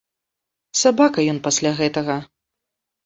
Сабака ён пасля гэтага.